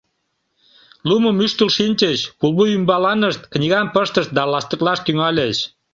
Лумым ӱштыл шинчыч, пулвуй ӱмбаланышт книгам пыштышт да ластыклаш тӱҥальыч.